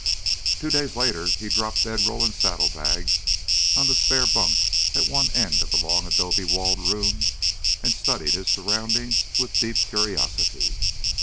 Two days later he dropped bedroll and saddlebags on the spare bunk at one end of the long adobe walled room and studied his surroundings with deep curiosity.